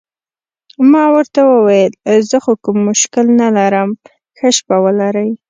ما ورته وویل: زه خو کوم مشکل نه لرم، ښه شپه ولرئ.